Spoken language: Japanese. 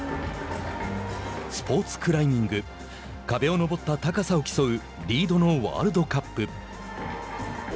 スポーツクライミング壁を登った高さを競う「リード」のワールドカップ。